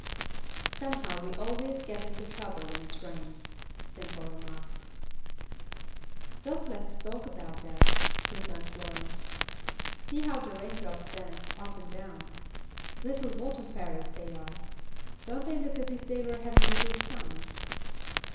"Somehow we always get into trouble when it rains," Dimple remarked. "Don't let's talk about that," returned Florence. "See how the raindrops dance up and down. Little water fairies they are. Don't they look as if they were having a good time?"